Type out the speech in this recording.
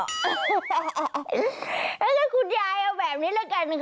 แล้วก็คุณยายเอาแบบนี้แล้วกัน